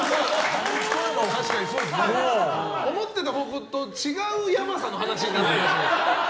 思ってた方向と違うやばさの話になってきましたね。